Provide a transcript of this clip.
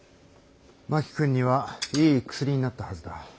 真木君にはいい薬になったはずだ。